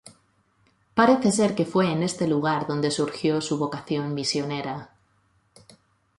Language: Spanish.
Parece ser que fue en este lugar donde surgió su vocación misionera.